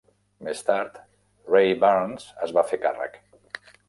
Més tard, Ray Burns es va fer càrrec.